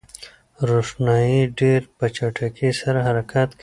روښنايي ډېر په چټکۍ سره حرکت کوي.